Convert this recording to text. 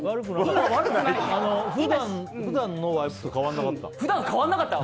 普段のやつと変わんなかった。